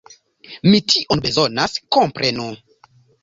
Mi tion bezonas, komprenu.